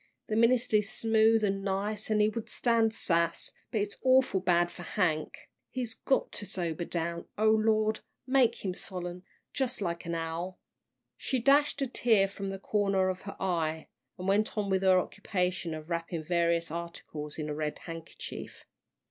The minister is smooth an' nice, an' he would stand sass, but it's awful bad for Hank. He's got to sober down. O Lord, make him solemn jus' like an owl!" She dashed a tear from the corner of her eye, and went on with her occupation of wrapping various articles in a red handkerchief.